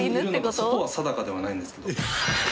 そこは定かではないんですけど。